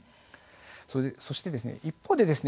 そして、一方でですね